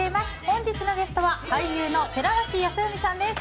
本日のゲストは俳優の寺脇康文さんです。